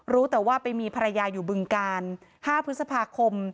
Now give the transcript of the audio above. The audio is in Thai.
รู้แต่ว่าไปมีภรรยาอยู่บึงกาล๕พฤษภาคม